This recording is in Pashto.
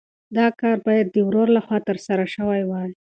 دا کار باید د ورور لخوا ترسره شوی وای.